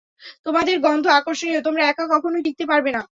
তোমাদের গন্ধ আকর্ষণীয়, তোমরা একা কখনোই টিকতে পারবে না।